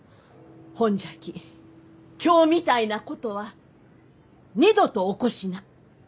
ほんじゃき今日みたいなことは二度と起こしな。